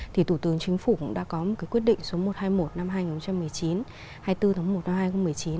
thì thủ tướng chính phủ cũng đã có một cái quyết định số một trăm hai mươi một năm hai nghìn một mươi chín hai mươi bốn tháng một năm hai nghìn một mươi chín